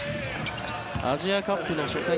アジアカップの初戦